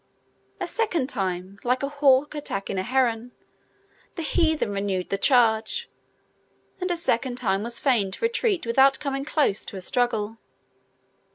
A second time, like a hawk attacking a heron, the heathen renewed the charge, and a second time was fain to retreat without coming to a close struggle.